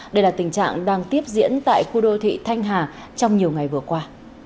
đây là tình trạng đang tiếp diễn tại khu đô thị thanh hà trong nhiều ngày vừa qua